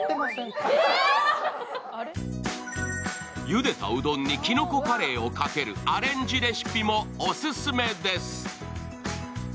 ゆでたうどんにきのこカレーをかけるアレンジレシピもオススメです。